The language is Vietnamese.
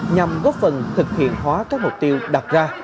nhằm góp phần thực hiện hóa các mục tiêu đạt ra